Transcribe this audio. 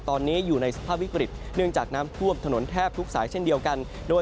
ตอนนี้อยู่ในสภาพวิกฤตเนื่องจากน้ำท่วมถนนแทบทุกสายเช่นเดียวกันโดย